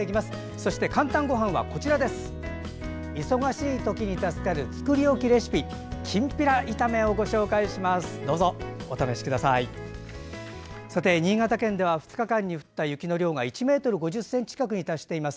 そして「かんたんごはん」は忙しい時に助かる作り置きレシピきんぴら炒めをご紹介します。